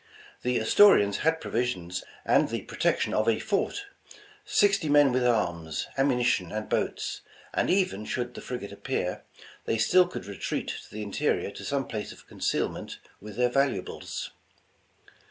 The Astori ans had provisions and the protection of a fort; sixty men with arms, ammunition and boats ; and even should the frigate appear, they still could retreat to the in terior to some place of concealment with their valuables.